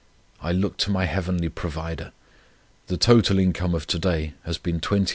I look to my heavenly Provider. The total income of to day has been £28 5s.